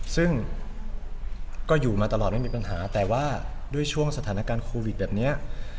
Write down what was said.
ซึ่งก็อยู่มาตลอดไม่มีปัญหาแต่ว่าด้วยช่วงสถานการณ์โควิดแบบนี้